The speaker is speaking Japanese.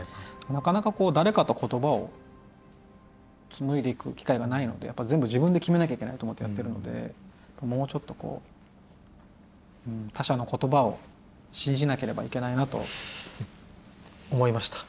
なかなか誰かと言葉を紡いでいく機会がないのでやっぱ全部自分で決めなきゃいけないと思ってやってるのでもうちょっとこう他者の言葉を信じなければいけないなと思いました。